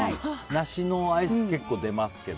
梨のアイス結構出ますけど。